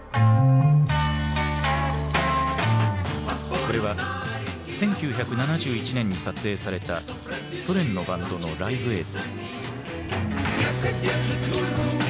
これは１９７１年に撮影されたソ連のバンドのライブ映像。